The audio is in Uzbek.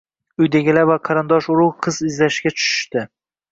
Uydagilar va qarindosh-urug` qiz izlashga tushishdi